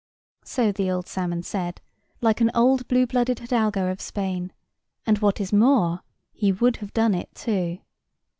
So the old salmon said, like an old blue blooded hidalgo of Spain; and what is more, he would have done it too.